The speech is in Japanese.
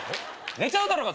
寝ちゃうだろうが！